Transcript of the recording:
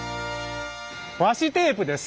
和紙テープです。